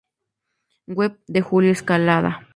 Web de Julio Escalada.